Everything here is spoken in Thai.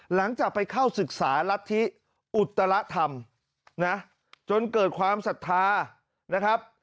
หลังจากไปเข้าศึกษารัฐธิอุตรธรรมนะจนเกิดความศรัทธานะครับ